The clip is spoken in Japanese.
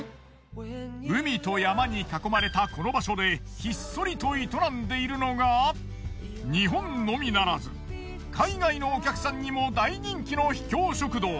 海と山に囲まれたこの場所でひっそりと営んでいるのが日本のみならず海外のお客さんにも大人気の秘境食堂。